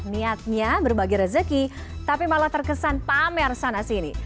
niatnya berbagi rezeki tapi malah terkesan pamer sana sini